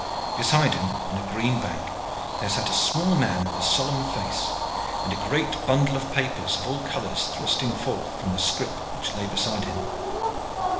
Beside him on a green bank there sat a small man with a solemn face, and a great bundle of papers of all colors thrusting forth from the scrip which lay beside him.